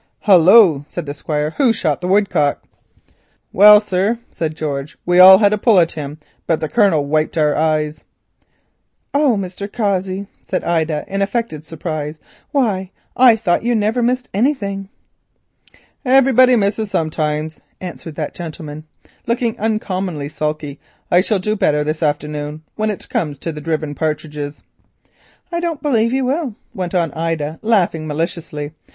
"Hullo," said the Squire, "who shot the woodcock?" "Well, sir," said George, "we all had a pull at him, but the Colonel wiped our eyes." "Oh, Mr. Cossey," said Ida, in affected surprise, "why, I thought you never missed anything." "Everybody misses sometimes," answered that gentleman, looking uncommonly sulky. "I shall do better this afternoon when it comes to the driven partridges." "I don't believe you will," went on Ida, laughing maliciously.